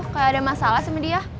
kayak ada masalah sama dia